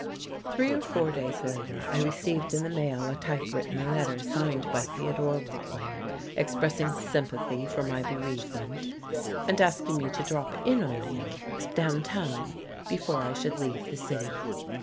Three or four days later I received in the mail a typewritten letter signed by Theodore Watling, expressing sympathy for my bereavement, and asking me to drop in on him, down town, before I should leave the city.